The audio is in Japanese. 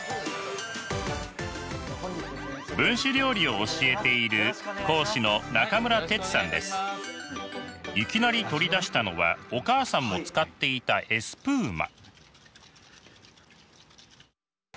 分子料理を教えているいきなり取り出したのはお母さんも使っていたエスプーマ。